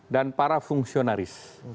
dan para fungsionaris